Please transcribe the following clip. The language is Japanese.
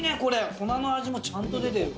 粉の味もちゃんと出てる。